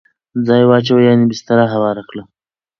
ځای واچوه ..یعنی بستره هواره کړه